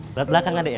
lewat belakang adek ya